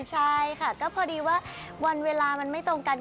ใช่ค่ะก็พอดีว่าวันเวลามันไม่ตรงกัน